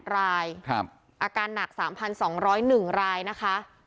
๘รายอาการหนัก๓๒๐๑รายนะคะ